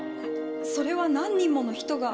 それは何人もの人が。